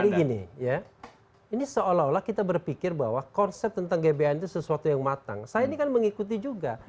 jadi gini ya ini seolah olah kita berpikir bahwa konsep tentang gbhn itu sesuatu yang matang saya ini kan mengikuti juga